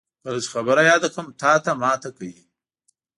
کله چې خبره یاده کړم، تاته ماته کوي.